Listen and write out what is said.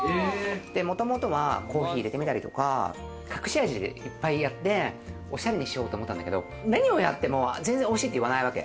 もともとはコーヒー入れてみたりとか、隠し味をいっぱいやって、オシャレにしようと思ったんだけど、何をやってもおいしいと言わないわけ。